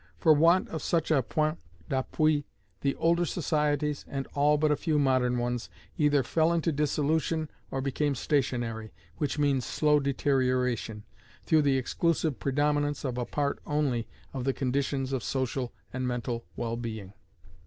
For want of such a point d'appui, the older societies, and all but a few modern ones, either fell into dissolution or became stationary (which means slow deterioration) through the exclusive predominance of a part only of the conditions of social and mental well being.